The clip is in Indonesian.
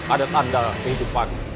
ada tanda kehidupan